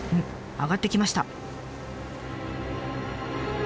上がってきました。